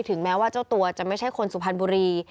แม้ว่าเจ้าตัวจะไม่ใช่คนสุพรรณบุรี